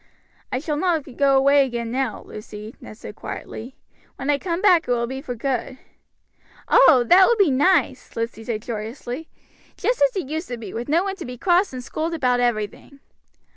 "I shall not go away again now, Lucy," Ned said quietly. "When I come back it will be for good." "Oh! that will be nice," Lucy said joyously, "just as it used to be, with no one to be cross and scold about everything."